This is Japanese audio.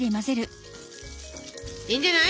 いいんじゃない？